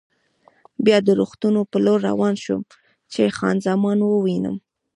بیا د روغتون په لور روان شوم چې خان زمان ووینم.